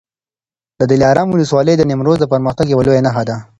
د دلارام ولسوالي د نیمروز د پرمختګ یوه لویه نښه ده.